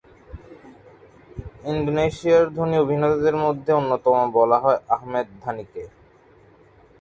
ইন্দোনেশিয়ার ধনী অভিনেতাদের মধ্যে অন্যতম বলা হয়েছে আহমদ ধানিকে।